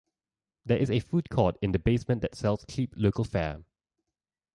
There is a food court in the basement that sells cheap local fare.